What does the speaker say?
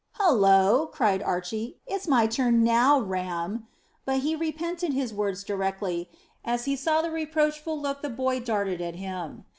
"Hullo!" cried Archy. "It's my turn now, Ram;" but he repented his words directly, as he saw the reproachful look the boy darted at him.